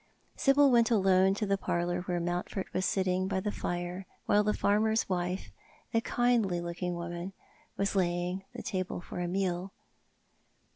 Sibyl went alone to the parlour where IMountford was sitting by the fire, while the farmer's wife, a kindly looking woman, was laying the table for a meal.